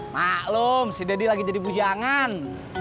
maklum si daddy lagi jadi pujangan